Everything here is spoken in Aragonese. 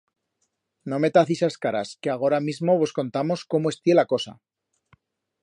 No metaz ixas caras, que agora mismo vos contamos cómo estié la cosa.